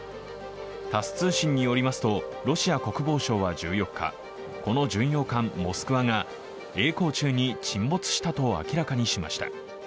タス通信によりますとロシア国防省は１４日この巡洋艦「モスクワ」がえい航中に沈没したと明らかにしました。